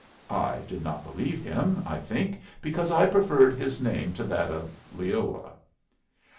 I did not believe him, I think because I preferred his name to that of Leola.